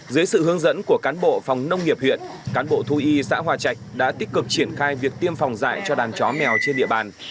dưới sự hướng dẫn của cán bộ phòng nông nghiệp huyện cán bộ thú y xã hòa trạch đã tích cực triển khai việc tiêm phòng dạy cho đàn chó mèo trên địa bàn